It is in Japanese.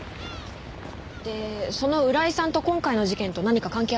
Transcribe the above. でその浦井さんと今回の事件と何か関係あるんですか？